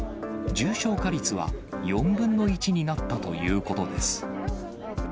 重症化率は４分の１になったということです。